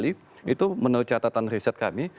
itu menurut catatan riset kami